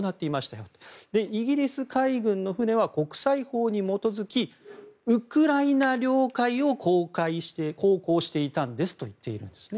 イギリス海軍の船は国際法に基づきウクライナ領海を航行していたんですと言っているんですね。